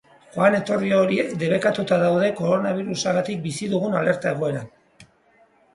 Joan-etorri horiek debekatuta daude koronabirusagatik bizi dugun alerta egoeran.